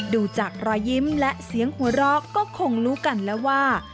ดูจากรอยยิ้มและเสียงหัวเราะก็คงรู้กันแล้วว่า